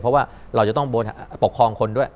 เพราะว่าเราจะต้องปกครองคนด้วย